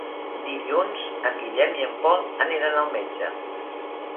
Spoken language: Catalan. Dilluns en Guillem i en Pol aniran al metge.